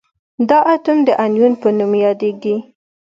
دا اتوم د انیون په نوم یادیږي.